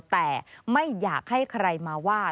แต่ไม่อยากให้ใครมาว่า